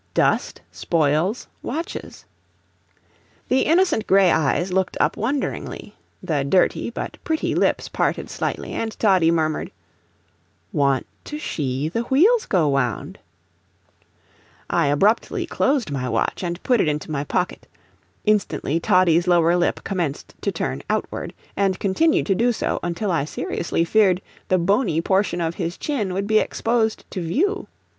"Dust spoils watches." The innocent gray eyes looked up wonderingly, the dirty, but pretty lips parted slightly, and Toddie murmured: "Want to shee the wheels go wound." I abruptly closed my watch and put it into my pocket. Instantly Toddie's lower lip commenced to turn outward, and continued to do so until I seriously feared the bony portion of his chin would be exposed to view.